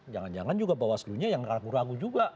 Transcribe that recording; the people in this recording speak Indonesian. jangan jangan juga bawaslu nya yang ragu ragu juga